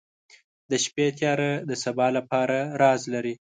• د شپې تیاره د سبا لپاره راز لري.